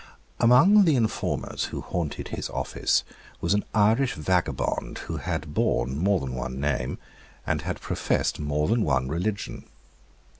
Among the informers who haunted his office was an Irish vagabond who had borne more than one name and had professed more than one religion.